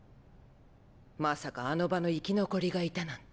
まさかあの場の生き残りがいたなんて。